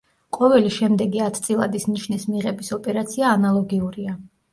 ყოველი შემდეგი ათწილადის ნიშნის მიღების ოპერაცია ანალოგიურია.